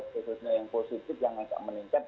posisinya yang positif yang meningkat